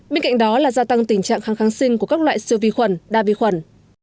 bên cạnh đó là gia tăng tình trạng kháng kháng sinh của các loại siêu vi khuẩn đa vi khuẩn